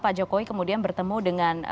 pak jokowi kemudian bertemu dengan